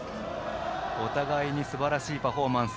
お互いにすばらしいパフォーマンス。